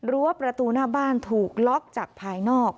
ประตูหน้าบ้านถูกล็อกจากภายนอก